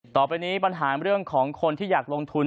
ต่อไปนี้ปัญหาเรื่องของคนที่อยากลงทุน